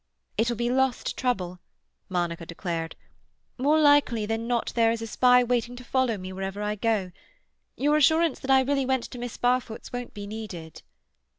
"It will be lost trouble," Monica declared. "More likely than not there is a spy waiting to follow me wherever I go. Your assurance that I really went to Miss Barfoot's won't be needed."